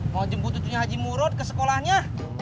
mau jemput tutunya haji murud ke sekolahnya